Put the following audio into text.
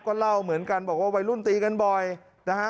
ก็เล่าเหมือนกันบอกว่าวัยรุ่นตีกันบ่อยนะฮะ